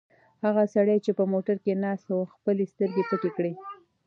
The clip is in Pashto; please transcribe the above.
هغه سړی چې په موټر کې ناست و خپلې سترګې پټې کړې.